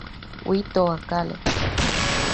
Wito wa kale.